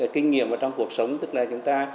kinh nghiệm trong cuộc sống tức là chúng ta